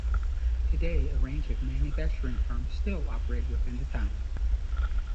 Today a range of manufacturing firms still operate within the town.